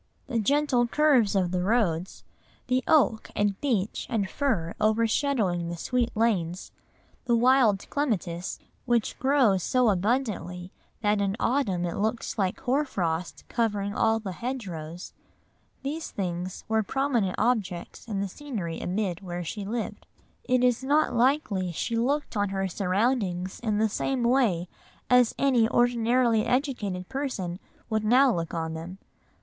The gentle curves of the roads, the oak and beech and fir overshadowing the sweet lanes, the wild clematis, which grows so abundantly that in autumn it looks like hoar frost covering all the hedgerows, these things were prominent objects in the scenery amid which she lived. It is not likely she looked on her surroundings in the same way as any ordinarily educated person would now look on them.